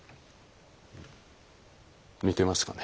似てますかね？